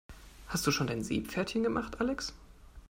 Hast du schon dein Seepferdchen gemacht, Alex?